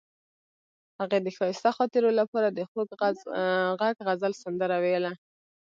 هغې د ښایسته خاطرو لپاره د خوږ غزل سندره ویله.